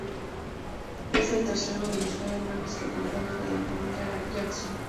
Es el tercero de los nueve hermanos que componen a la familia Jackson.